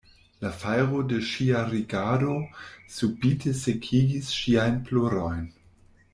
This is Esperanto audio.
La fajro de ŝia rigardo subite sekigis ŝiajn plorojn.